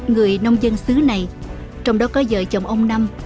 người nông dân xứ này trong đó có vợ chồng ông năm